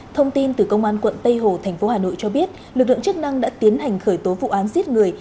thông tin từ công an quận tây hồ thành phố hà nội cho biết lực lượng chức năng đã tiến hành khởi tố vụ án giết người